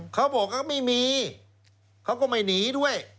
เขาบอกเขาไม่มีเขาก็ไม่หนีด้วย